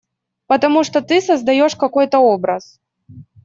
Потому что ты создаешь какой-то образ.